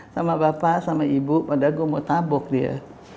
sama bapak sama ibu padahal gue mau tabok dia